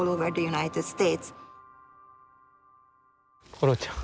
コロちゃん。